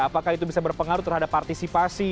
apakah itu bisa berpengaruh terhadap partisipasi